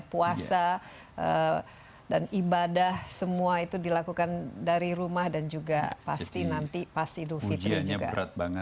puasa dan ibadah semua itu dilakukan dari rumah dan juga pasti nanti pas idul fitri juga